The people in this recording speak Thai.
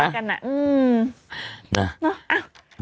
เนี่ยอ้าว